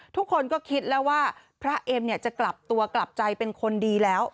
ทุกคนก็คิดแล้วว่าพระเอ็มเนี่ยจะกลับตัวกลับใจเป็นคนดีแล้ว